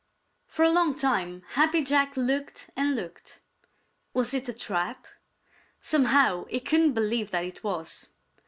For a long time Happy Jack looked and looked. Was it a trap? Somehow he couldn't believe that it was.